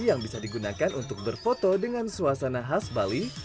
yang bisa digunakan untuk berfoto dengan suasana khas bali